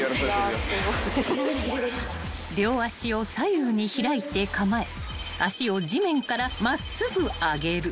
［両足を左右に開いて構え足を地面から真っすぐ上げる］